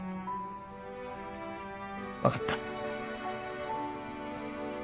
分かった。